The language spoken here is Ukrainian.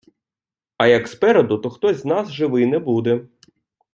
А як спереду, то хтось з нас живий не буде...